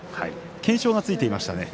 懸賞がついていましたね。